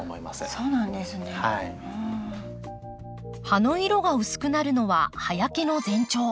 葉の色が薄くなるのは葉焼けの前兆。